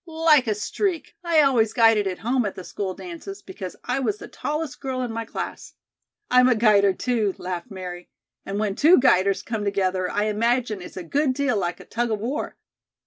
"Like a streak. I always guided at home at the school dances, because I was the tallest girl in my class." "I'm a guider, too," laughed Mary, "and when two guiders come together, I imagine it's a good deal like a tug of war."